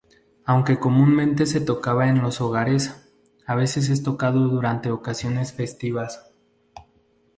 Aunque comúnmente se tocaba en los hogares, a veces es tocado durante ocasiones festivas.